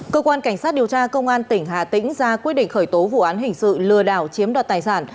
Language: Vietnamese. cơ quan cảnh sát điều tra công an tỉnh hà tĩnh ra quyết định khởi tố vụ án hình sự lừa đảo chiếm đoạt tài sản